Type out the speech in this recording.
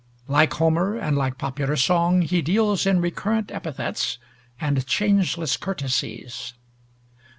Like Homer, and like popular song, he deals in recurrent epithets, and changeless courtesies.